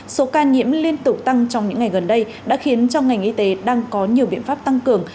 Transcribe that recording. số ca nhiễm liên tục tăng trong những ngày gần đây đã khiến cho ngành y tế đang có nhiều biện pháp tăng cường